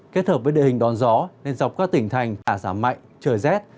kết hợp với địa hình đòn gió nên dọc các tỉnh thành cả giảm mạnh trời rét